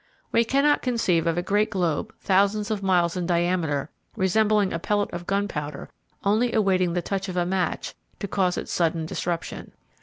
We cannot conceive of a great globe thousands of miles in diameter resembling a pellet of gunpowder only awaiting the touch of a match to cause its sudden disruption.